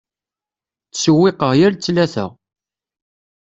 Ttsewwiqeɣ yal ttlata.